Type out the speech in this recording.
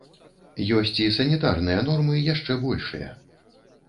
Ёсць і санітарныя нормы яшчэ большыя.